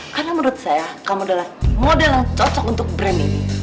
karena menurut saya kamu adalah model yang cocok untuk brand ini